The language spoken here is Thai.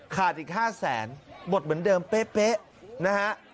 ขาดอีก๕๐๐๐๐๐บทเหมือนเดิมเป๊ะนะฮะ